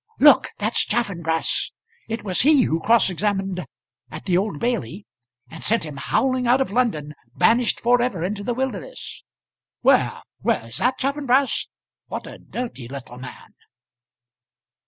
"Look; that's Chaffanbrass. It was he who cross examined at the Old Bailey, and sent him howling out of London, banished for ever into the wilderness." "Where, where? Is that Chaffanbrass? What a dirty little man!"